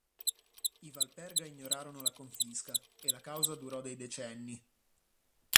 I Valperga ignorarono la confisca, e la causa durò dei decenni.